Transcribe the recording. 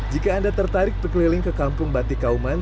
jika anda tertarik berkeliling ke kampung batik kauman